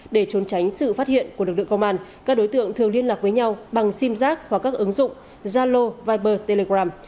để trốn tránh sự phát hiện của lực lượng công an các đối tượng thường liên lạc với nhau bằng sim giác hoặc các ứng dụng zalo viber telegram